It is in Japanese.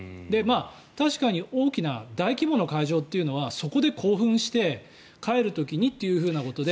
確かに大きな大規模な会場というのはそこで興奮して帰る時にということで。